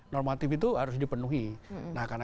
normatif itu harus dipenuhi nah karena